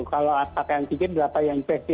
kalau pakaian tiket berapa yang infeksi